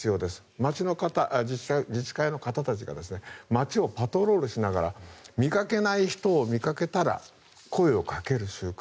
街の方、自治会の方たちが街をパトロールしながら見かけない人を見かけたら声をかける習慣。